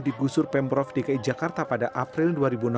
digusur pemprov dki jakarta pada april dua ribu enam belas